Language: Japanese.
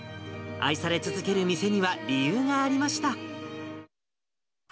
愛され続ける店には、理由がありました。